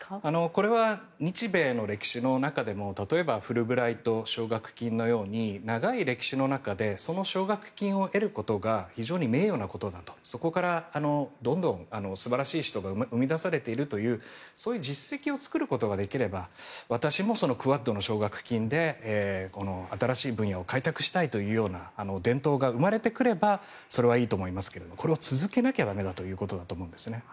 これは日米の歴史の中でも例えばフルブライト奨学金のように長い歴史の中でその奨学金を得ることが非常に名誉なことだとそこからどんどん素晴らしい人が生み出されているというそういう実績を作ることができれば私もそのクアッドの奨学金で新しい分野を開拓したいという伝統が生まれてくればそれはいいと思いますがこれを続けなきゃ駄目だということだと思うんです。